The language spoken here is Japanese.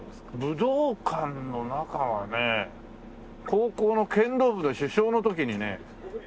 武道館の中はね高校の剣道部の主将の時にね。